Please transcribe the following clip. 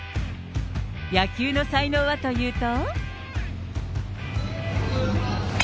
野球の才能はというと。